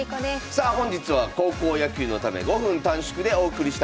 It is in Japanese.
さあ本日は高校野球のため５分短縮でお送りしたいと思います。